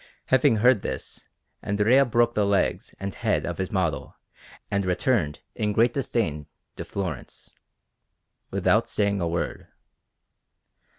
Having heard this, Andrea broke the legs and head of his model and returned in great disdain to Florence, without saying a word.